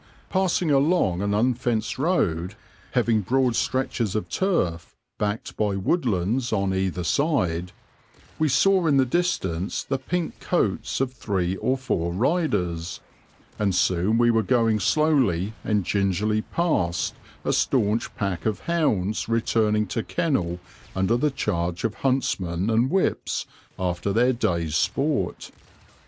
Passing along an unfenced road, having broad stretches of turf backed by woodlands on either side, we saw in the distance the pink coats of three or four riders, and soon we were going slowly and gingerly past a staunch pack of hounds returning to kennel under the charge of huntsman and whips after their day's sport.